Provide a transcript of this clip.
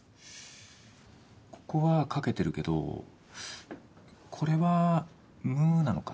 ここは書けてるけどこれは「む」なのか？